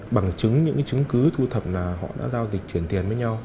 bằng chứng những chứng cứ thu thập là họ đã giao dịch chuyển tiền với nhau